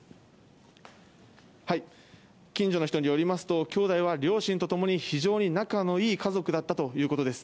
近所の人によりますと兄弟は両親とと共に非常に仲の良い家族だったということです。